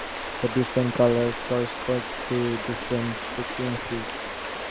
The different colors correspond to different frequencies.